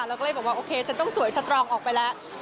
เราก็เลยบอกว่าโอเคฉันต้องสวยสตรองออกไปแล้ว